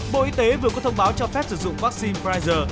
bộ y tế vừa có thông báo cho phép sử dụng vaccine pfizer